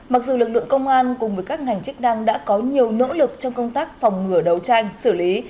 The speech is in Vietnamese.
mặc dù lực lượng công an cùng với các ngành chức năng đã có nhiều nỗ lực trong công tác phòng ngừa đấu tranh xử lý